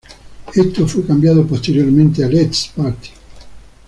Esto fue cambiado posteriormente a Let's Party!